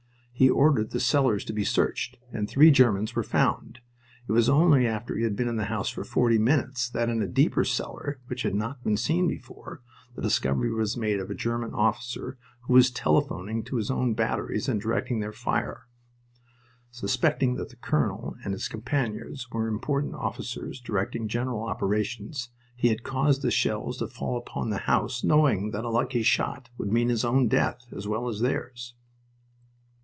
He ordered the cellars to be searched, and three Germans were found. It was only after he had been in the house for forty minutes that in a deeper cellar, which had not been seen before, the discovery was made of a German officer who was telephoning to his own batteries and directing their fire. Suspecting that the colonel and his companions were important officers directing general operations, he had caused the shells to fall upon the house knowing that a lucky shot would mean his own death as well as theirs.